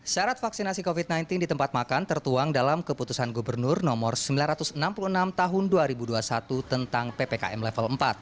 syarat vaksinasi covid sembilan belas di tempat makan tertuang dalam keputusan gubernur nomor sembilan ratus enam puluh enam tahun dua ribu dua puluh satu tentang ppkm level empat